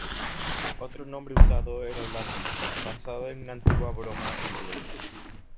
Otro nombre usado era Lucky, basado en una antigua broma inglesa.